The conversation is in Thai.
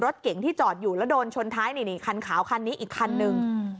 รถเก๋งที่จอดอยู่แล้วโดนชนท้ายนี่คันขาวคันนี้อีกคันนึง